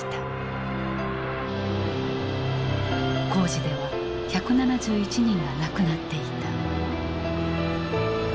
工事では１７１人が亡くなっていた。